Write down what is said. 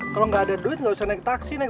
kalo gak ada duit gak usah naik taksi neng